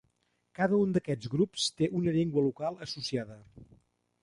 Cada un d'aquests grups té una llengua local associada.